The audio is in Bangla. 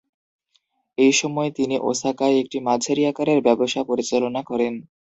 এই সময় তিনি ওসাকায় একটি মাঝারি আকারের ব্যবসা পরিচালনা করেন।